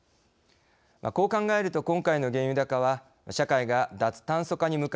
こう考えると今回の原油高は社会が脱炭素化の動き